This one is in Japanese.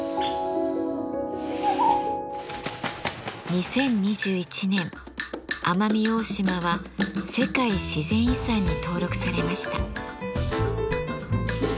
２０２１年奄美大島は世界自然遺産に登録されました。